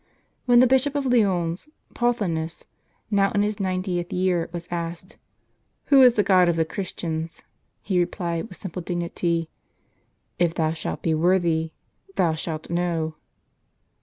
When the Bishop of Lyons, Pothinus, now in his ninetieth year, was asked, "Who is the God of the Christians?" he replied, with simple dignity, " If thou shalt be worthy, thou shalt know."